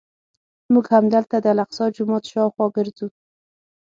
موږ همدلته د الاقصی جومات شاوخوا ګرځو.